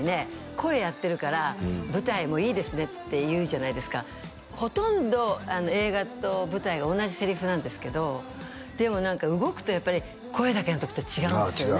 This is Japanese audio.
声やってるから舞台もいいですねって言うじゃないですかほとんど映画と舞台が同じセリフなんですけどでも何か動くとやっぱり声だけの時と違うんですよね